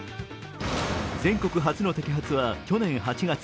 全国初の摘発は去年８月。